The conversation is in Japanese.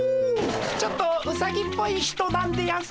ちょっとウサギっぽい人なんでやんす。